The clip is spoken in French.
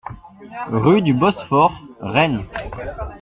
Rue du Bosphore, Rennes